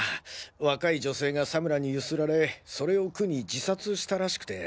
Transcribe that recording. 若い女性が佐村にゆすられそれを苦に自殺したらしくて。